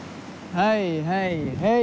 はいはいはい。